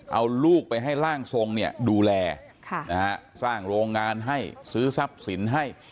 เอาลูกไปให้ร่างทรงเนี่ยดูแลสร้างโรงงานให้ซื้อทรัพย์สินให้